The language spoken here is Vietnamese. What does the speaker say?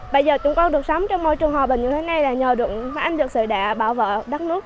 bây giờ chúng tôi được sống trong môi trường hòa bình như thế này là nhờ được phải ăn được sự đại bảo vệ đất nước